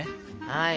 はい。